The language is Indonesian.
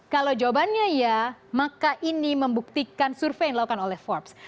kalau jawabannya ya maka ini membuktikan survei yang dilakukan oleh forbes